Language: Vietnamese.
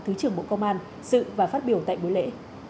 thứ trưởng bộ công an sự và phát biểu tại bối lễ